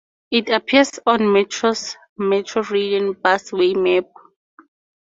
It appears on Metro's "Metro Rail and Busway" map.